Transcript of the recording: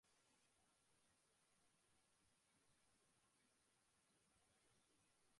অতীতে সরকারের বিরুদ্ধে নানা সময়ে গুমের অভিযোগ করেছে গুমের শিকার ব্যক্তিদের পরিবারগুলো।